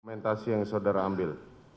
dokumentasi yang saudara ambil